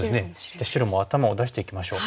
じゃあ白も頭を出していきましょう。